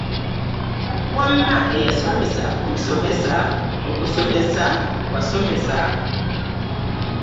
Wamma eyasomesa omusomesa okusomesa wasomesa.